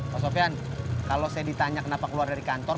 kalau saya ditanya kenapa keluar dari kantor